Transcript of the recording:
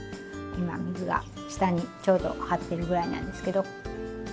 今水が下にちょうど張ってるぐらいなんですけど。